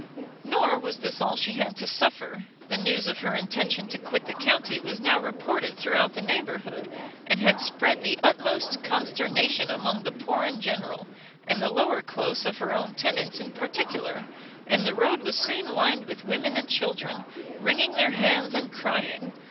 Nor was this all she had to suffer; the news of her intention to quit the county was now reported throughout the neighbourhood, and had spread the utmost consternation among the poor in general, and the lower close of her own tenants in particular, and the road was soon lined with women and children, wringing their hands and crying.